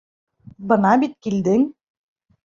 Бына бит килдең!